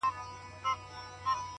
پوه انسان له ماتې نه وېرېږي,